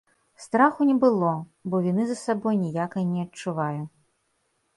Страху не было, бо віны за сабой ніякай не адчуваю.